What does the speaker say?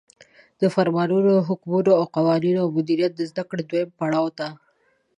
د فرمانونو، حکمونو، قوانینو او مدیریت د زدکړو دویم پړاو ته